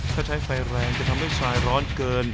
ถ้าใช้ไฟแรงจะทำให้ทรายร้อนเกิน